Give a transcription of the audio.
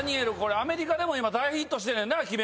アメリカでも大ヒットしてんねんな『鬼滅』。